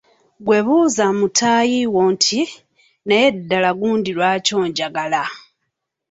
Ggwe buuza mutaayi wo nti, “ Naye ddala gundi lwaki onjagala ?